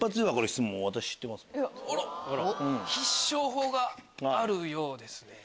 必勝法があるようですね。